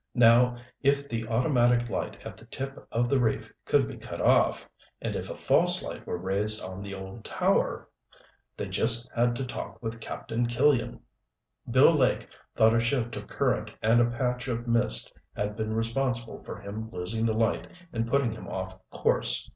Now if the automatic light at the tip of the reef could be cut off, and if a false light were raised on the old tower ... they just had to talk with Captain Killian! Bill Lake thought a shift of current and a patch of mist had been responsible for him losing the light and putting him off course.